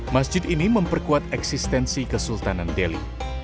masjid ini memperkuat eksistensi kesultanan delhi